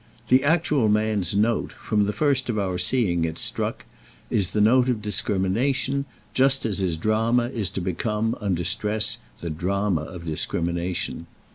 The actual man's note, from the first of our seeing it struck, is the note of discrimination, just as his drama is to become, under stress, the drama of discrimination.